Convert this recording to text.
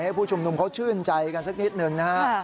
ผู้ชุมนุมเขาชื่นใจกันสักนิดหนึ่งนะฮะ